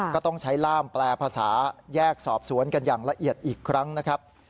ก็ต้องใช้ล่ามแปลภาษาแยกสอบสวนกันอย่างละเอียดอีกครั้งนะครับ